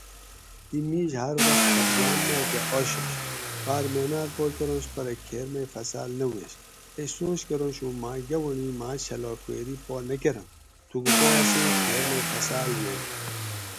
دی میش ھار وخت خفگان ماۤکہ آشنش بار محنات پا کرنش پرہ کھیر میٔ فصال نہ ووینش ائ سوچ کرنش ھوں ماں گاونڑی ما چھلائ خویری پا نہ کرنت تھوکو پا اسیں کھیر میٔ فصال ووینت